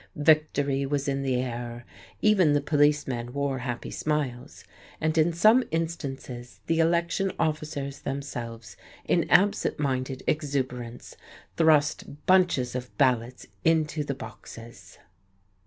Victory was in the air. Even the policemen wore happy smiles, and in some instances the election officers themselves in absent minded exuberance thrust bunches of ballots into the boxes!